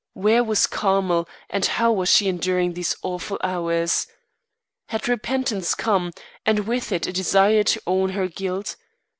Where was Carmel, and how was she enduring these awful hours? Had repentance come, and with it a desire to own her guilt?